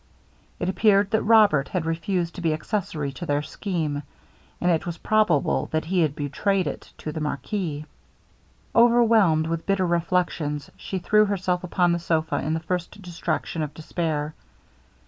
It appeared that Robert had refused to be accessary to their scheme; and it was probable that he had betrayed it to the marquis. Overwhelmed with bitter reflections, she threw herself upon the sopha in the first distraction of despair.